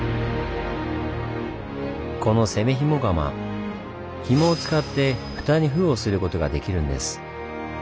この責紐釜ひもを使って蓋に封をすることができるんです。